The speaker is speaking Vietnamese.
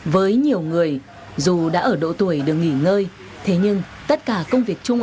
với nhiều người dù đã ở độ tuổi được nghỉ ngơi thế nhưng tất cả công việc chung